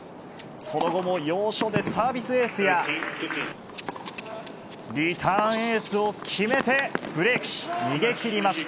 その後も要所でサービスエースや、リターンエースを決めてブレークし、逃げきりました。